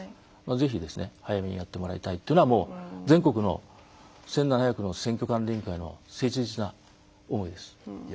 ぜひ早めにやってもらいたいというのは全国の１７００の選挙管理委員会の切実な思いです。